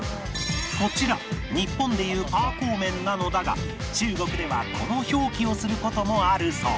こちら日本でいう排骨麺なのだが中国ではこの表記をする事もあるそう